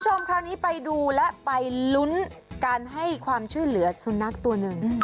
คุณผู้ชมคราวนี้ไปดูและไปลุ้นการให้ความช่วยเหลือสุนัขตัวหนึ่ง